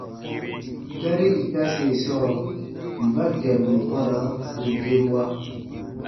Gari itase sɔɔ: mba dɛburu gɔna u gerua?